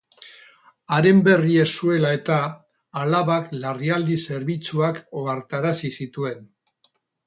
Haren berri ez zuela eta, alabak larrialdi zerbitzuak ohartarazi zituen.